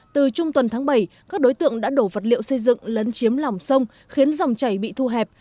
từ trung tuần tháng bảy các đối tượng đã đổ vật liệu xây dựng lấn chiếm lòng sông khiến dòng chảy bị thu hẹp